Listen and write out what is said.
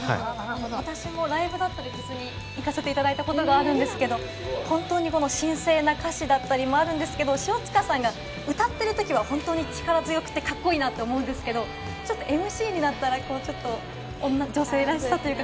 私もライブやフェスに行かせていただいたことがあるんですが、本当に新鮮な歌詞だったりもあるんですが、塩塚さんが歌ってるときは本当に力強くてカッコいいなと思うんですけど、ＭＣになったらちょっと女性らしさというか。